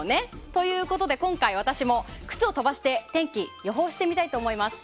ということで今回、私も靴を飛ばして天気を予報してみたいと思います。